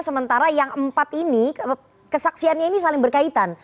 sementara yang empat ini kesaksiannya ini saling berkaitan